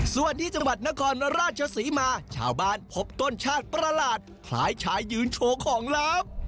ส่วนที่จังหวัดนครราชศรีมาชาวบ้านพบต้นชาติประหลาดคล้ายชายยืนโชว์ของลับ